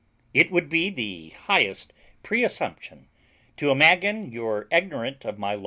It would be the hiest preassumption to imagin you eggnorant of my loav.